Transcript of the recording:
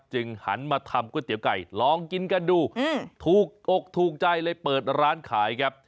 หันมาทำก๋วยเตี๋ยวไก่ลองกินกันดูถูกอกถูกใจเลยเปิดร้านขายครับ